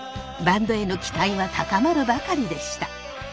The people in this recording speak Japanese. バンドへの期待は高まるばかりでした。